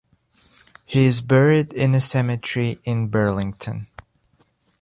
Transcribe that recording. He is buried in a cemetery in Burlington.